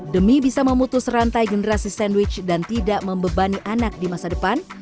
demi bisa memutus rantai generasi sandwich dan tidak membebani anak di masa depan